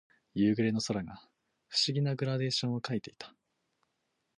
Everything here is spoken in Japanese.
夕暮れの空が不思議なグラデーションを描いていた。